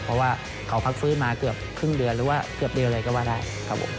เพราะว่าเขาพักฟื้นมาเกือบครึ่งเดือนหรือว่าเกือบเดือนเลยก็ว่าได้ครับผม